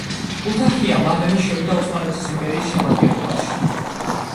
ქუთაჰია მალევე შევიდა ოსმალეთის იმპერიის შემადგენლობაში.